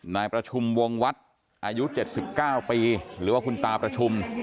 นายประชุมวงวัดอายุ๗๙ปีหรือว่าคุณตาประชุม